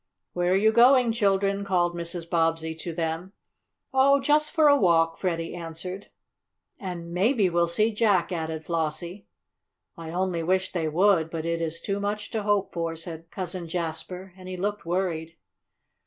"Where are you going, children?" called Mrs. Bobbsey to them. "Oh, just for a walk," Freddie answered. "An' maybe we'll see Jack," added Flossie. "I only wish they would, but it is too much to hope for," said Cousin Jasper, and he looked worried.